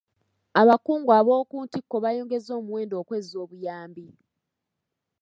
Abakungu ab'oku ntikko baayongeza omuwendo okwezza obuyambi.